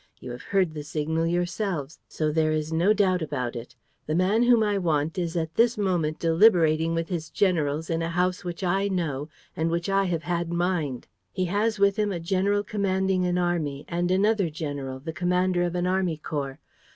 You have heard the signal yourselves. So there is no doubt about it. The man whom I want is at this moment deliberating with his generals in a house which I know and which I have had mined. He has with him a general commanding an army and another general, the commander of an army corps.